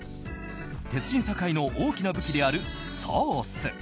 鉄人・坂井の大きな武器であるソース。